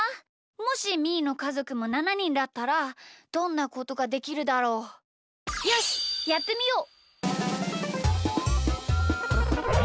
もしみーのかぞくも７にんだったらどんなことができるだろう？よしやってみよう！